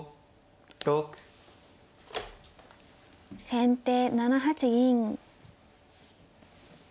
先手７八銀。